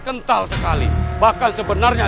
kental sekali bahkan sebenarnya